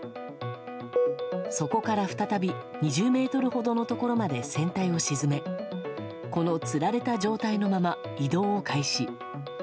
そこから再び２０ｍほどのところまで船体を沈めこのつられた状態のまま移動を開始。